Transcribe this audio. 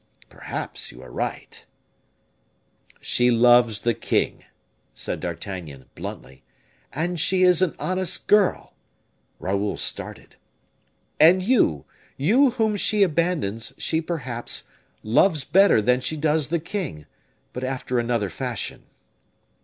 "Perhaps you are right." "She loves the king," said D'Artagnan, bluntly; "and she is an honest girl." Raoul started. "And you, you whom she abandons, she, perhaps, loves better than she does the king, but after another fashion."